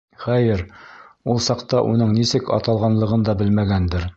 Хәйер, ул саҡта уның нисек аталғанлығын да белмәгәндер.